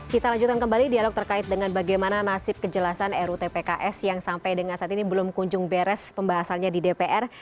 kita lanjutkan kembali dialog terkait dengan bagaimana nasib kejelasan rutpks yang sampai dengan saat ini belum kunjung beres pembahasannya di dpr